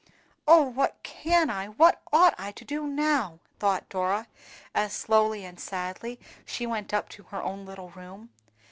"Oh, what can I—what ought I to do now!" thought Dora, as slowly and sadly she went up to her own little room.